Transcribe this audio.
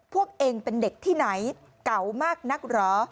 พวกเองเป็นเด็กที่ไหนเก่ามากนักเหรอ